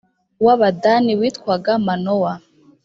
w abadani witwaga manowa